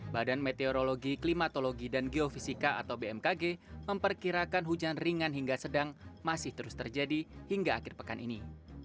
badan meteorologi klimatologi dan geofisika atau bmkg memperkirakan hujan ringan hingga sedang masih terus terjadi hingga akhir pekan ini